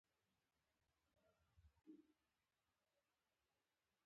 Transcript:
د سپېدو یم پوروړي